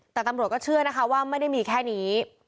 แต่ตำรวจก็เชื่อนะคะว่าไม่ได้มีแค่นี้